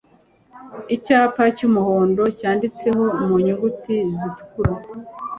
icyapa cy umuhondo cyanditseho mu nyuguti zitukura